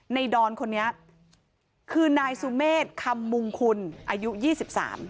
ดอนคนนี้คือนายสุเมฆคำมุงคุณอายุยี่สิบสาม